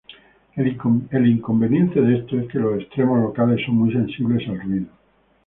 El inconveniente de esto es que los extremos locales son muy sensibles al ruido.